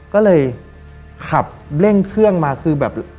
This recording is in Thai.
ก็เลยขับเร่งเครื่องมาคือแบบ